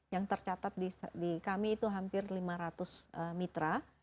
yang tercatat di kami itu hampir lima ratus mitra